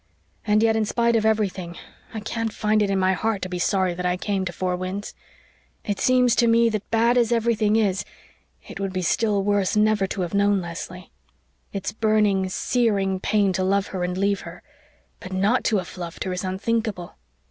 And yet, in spite of everything, I can't find it in my heart to be sorry that I came to Four Winds. It seems to me that, bad as everything is, it would be still worse never to have known Leslie. It's burning, searing pain to love her and leave her but not to have loved her is unthinkable.